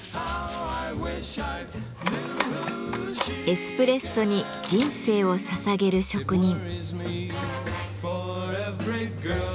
「エスプレッソ」に人生をささげる職人。